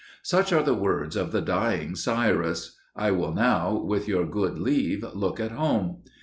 Such are the words of the dying Cyrus. I will now, with your good leave, look at home.